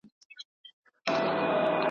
چي هر څومره چیښي ویني لا یې تنده نه سړیږي ,